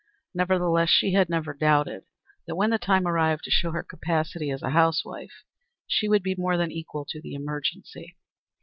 Nevertheless, she had never doubted that when the time arrived to show her capacity as a housewife, she would be more than equal to the emergency.